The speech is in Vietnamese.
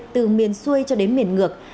từ miền xuôi cho đến miền ngược